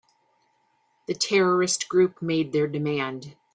The terrorist group made their demand.